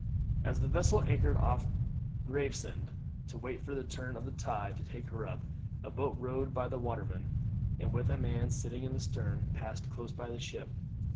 As the vessel anchored off Gravesend to wait for the turn of the tide to take her up, a boat rowed by a waterman, and with a man sitting in the stern, passed close by the ship.